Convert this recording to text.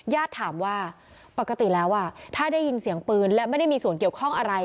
ถามว่าปกติแล้วถ้าได้ยินเสียงปืนและไม่ได้มีส่วนเกี่ยวข้องอะไร